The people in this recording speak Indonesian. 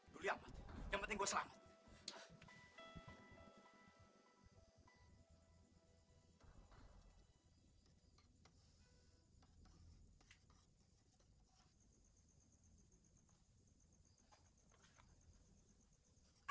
duli amat yang penting gua selamat